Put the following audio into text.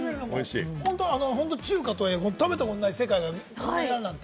本当に中華とはいえ、食べたことない世界が広がります。